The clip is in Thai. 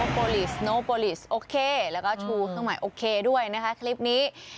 โปรลีสโนโปรลีสโอเคแล้วก็ชูเครื่องใหม่โอเคด้วยนะคะคลิปนี้